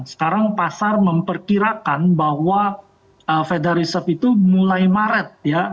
sekarang pasar memperkirakan bahwa fedarisek itu mulai maret ya